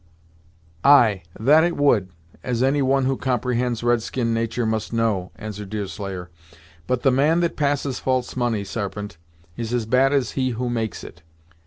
"Ay, that it would, as any one who comprehends red skin natur' must know," answered Deerslayer, "but the man that passes false money, Sarpent, is as bad as he who makes it.